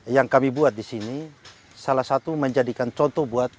yang kami buat di sini salah satu menjadikan contoh buat